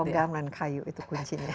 longgam dan kayu itu kuncinya